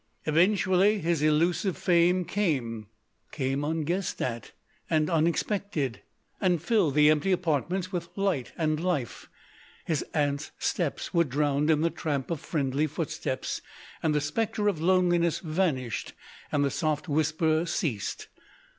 Eventually his illusive fame came, came unguessed at, and unexpected, and filled the empty apartments with light and life. His Aunt's steps were drowned in the tramp of friendly footsteps, and the spectre of loneliness vanished, and the soft whisper ceased.